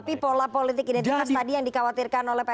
tapi pola politik identitas tadi yang dikhawatirkan oleh pak